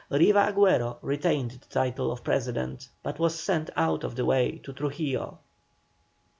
Riva Agüero retained the title of President, but was sent out of the way to Trujillo.